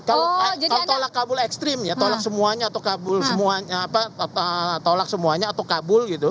kalau tolak kabul ekstrim ya tolak semuanya atau kabul semuanya tolak semuanya atau kabul gitu